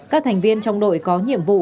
các thành viên trong đội có nhiệm vụ